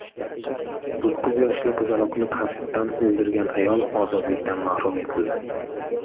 To‘qqiz yoshli qizaloqni qasddan o‘ldirgan ayol ozodlikdan mahrum etildi